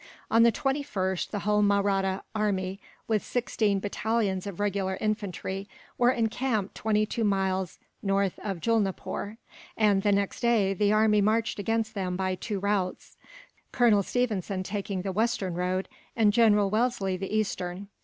On the 21st the whole Mahratta army, with sixteen battalions of regular infantry, were encamped twenty two miles north of Julnapoor and, the next day, the army marched against them by two routes; Colonel Stephenson taking the western road, and General Wellesley the eastern.